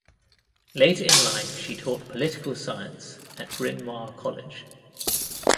Later in life she taught political science at Bryn Mawr College.